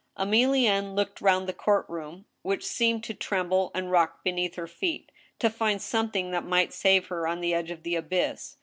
Emilienne k>oked round the court room, which seemed to trem ble and rock beneath her fcet, to find something that might save her on the edge of the abyss.